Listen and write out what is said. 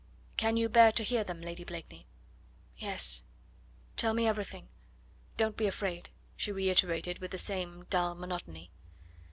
Can you bear to hear them, Lady Blakeney?" "Yes tell me everything don't be afraid," she reiterated with the same dull monotony.